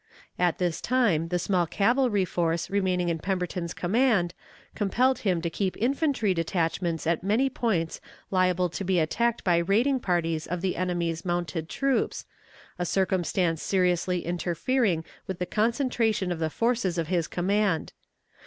At this time the small cavalry force remaining in Pemberton's command compelled him to keep infantry detachments at many points liable to be attacked by raiding parties of the enemy's mounted troops, a circumstance seriously interfering with the concentration of the forces of his command.